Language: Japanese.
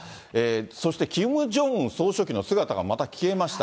そしてキム・ジョンウン総書記の姿がまた消えました。